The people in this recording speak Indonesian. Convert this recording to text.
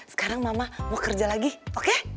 sekarang mama mau kerja lagi oke